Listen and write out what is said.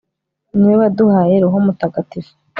ni wowe waduhaye roho mutagatifu